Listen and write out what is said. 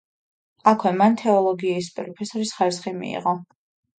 აქვე მან თეოლოგიის პროფესორის ხარისხი მიიღო.